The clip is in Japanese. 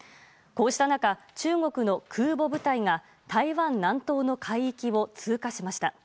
こうした中、中国の空母部隊が台湾南東の海域を通過しました。